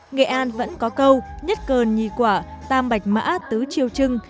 nghệ an vẫn có câu nhất cơn nhì quả tam bạch mã tứ triêu trưng